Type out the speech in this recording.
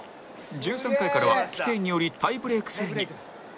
１３回からは規定によりタイブレーク制に